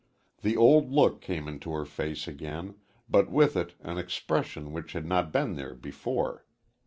The old look came into her face again, but with it an expression which had not been there before.